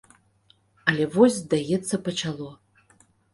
Але вось здаецца пачало.